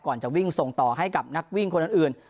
จะวิ่งส่งต่อให้กับนักวิ่งคนอื่น